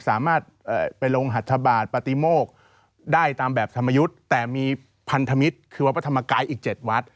สามารถไปลงหัทธบาทปฏิโมกได้ตามแบบธรรมยุทธ์แต่มีพันธมิตรคือวัดพระธรรมกายอีก๗วัด